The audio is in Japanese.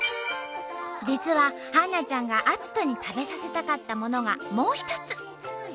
実は春菜ちゃんが篤人に食べさせたかったものがもう一つ！